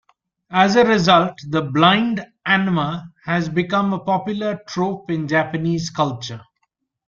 As a result, the "blind anma" has become a popular trope in Japanese culture.